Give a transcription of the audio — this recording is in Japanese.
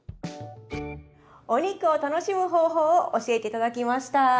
お肉を楽しむ方法を教えていただきました。